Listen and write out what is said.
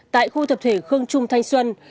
tại khu thập thể khương trung thanh xuân